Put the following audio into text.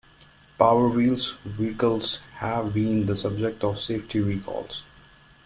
Power Wheels vehicles have been the subject of Safety Recalls.